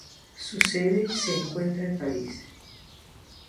Su sede se encuentra en París.